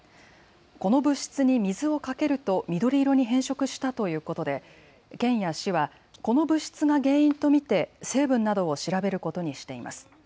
この物質に水をかけると緑色に変色したということで県や市はこの物質が原因と見て成分などを調べることにしています。